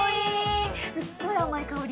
すっごい甘い香り。